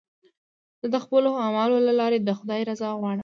زه د خپلو اعمالو له لارې د خدای رضا غواړم.